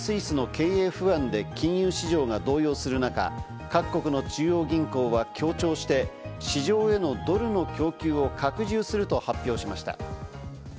経営不安で、金融市場が動揺する中、各国の中央銀行は協調して、市場へのドルの供給を拡充すると発表しました。